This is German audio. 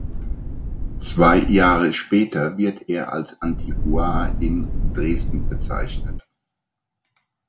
Zwei Jahre später wird er als Antiquar in Dresden bezeichnet.